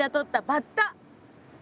バッタ？